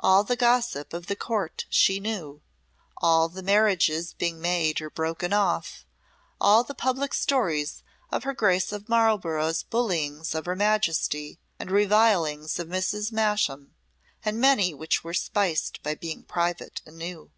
All the gossip of the Court she knew, all the marriages being made or broken off, all the public stories of her Grace of Marlborough's bullyings of her Majesty and revilings of Mrs. Masham, and many which were spiced by being private and new.